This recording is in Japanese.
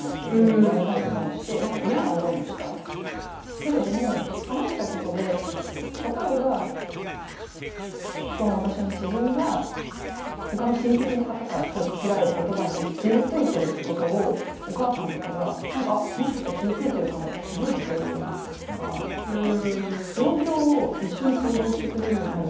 けれども話したことで例えばその私の知人がほかの親戚の方からかけられる言葉に対して傷ついてるってことをお母さんとかが何かあっもしかしたら傷ついてるかもって気付いてくれるようになったりとか増える。